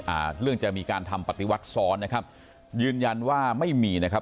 อ่าเรื่องจะมีการทำปฏิวัติซ้อนนะครับยืนยันว่าไม่มีนะครับ